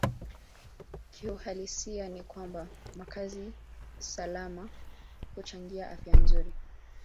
Kiuhalisia ni kwamba makazi salama huchangia afya nzuri